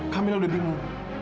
kamilah udah bingung